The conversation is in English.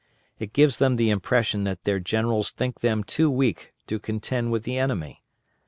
It gives them the impression that their generals think them too weak to contend with the enemy.